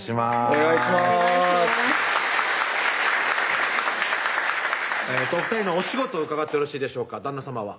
お２人のお仕事伺ってよろしいでしょうか旦那さまは？